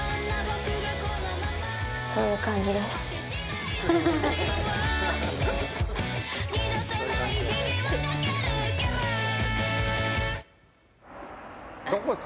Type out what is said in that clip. そういう感じです。